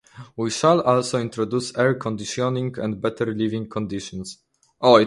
We shall also introduce air conditioning and better living conditions.